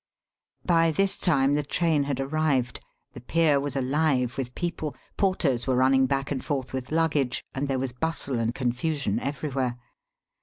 By this time the train had arrived, the pier was alive with people, porters were running back and forth with luggage, and there was bustle and confusion everywhere.